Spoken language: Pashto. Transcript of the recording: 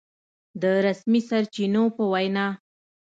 د رسمي سرچينو په وينا